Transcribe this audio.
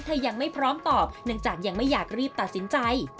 ยังไม่พร้อมตอบเนื่องจากยังไม่อยากรีบตัดสินใจ